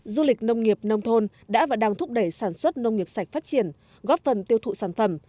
du lịch nông nghiệp nông thôn đã và đang thúc đẩy sản xuất nông nghiệp sạch phát triển góp phần tiêu thụ sản phẩm